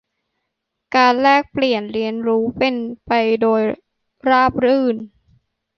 การแลกเปลี่ยนเรียนรู้เป็นไปโดยราบรื่น